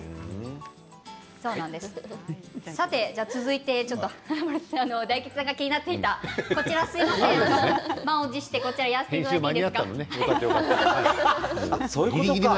続いて大吉さんが気になっていた、こちら満を持してやらせていただいていいですか？